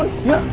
ini apaan tuh ya